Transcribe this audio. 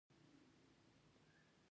د محمد تغلق د پخلنځي ډوډۍ ډېره وه.